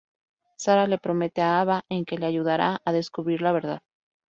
Sara le promete a Ava en que le ayudará a descubrir la verdad.